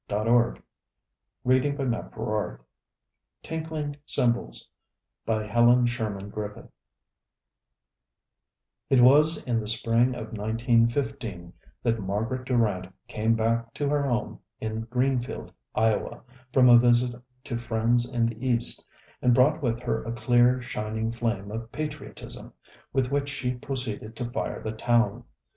Copyrighted, 1917, by Emerson Hough Tinkling Cymbals By Helen Sherman Griffith It was in the spring of 1915 that Margaret Durant came back to her home in Greenfield, Iowa, from a visit to friends in the East, and brought with her a clear, shining flame of patriotism, with which she proceeded to fire the town.